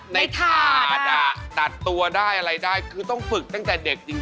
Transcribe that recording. ถาดอ่ะตัดตัวได้อะไรได้คือต้องฝึกตั้งแต่เด็กจริง